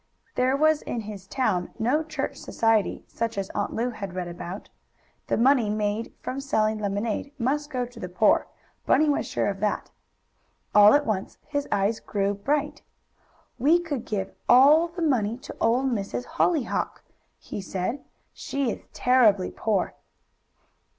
There was in his town no church society, such as Aunt Lu had read about. The money made from selling lemonade must go to the poor, Bunny was sure of that. All at once his eyes grew bright. "We could give all the money to Old Miss Hollyhock!" he said. "She is terribly poor."